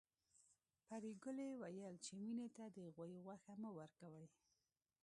پريګلې ويل چې مينې ته د غوايي غوښه مه ورکوئ